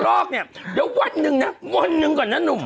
โอ้สอนตัวเองนุ่ม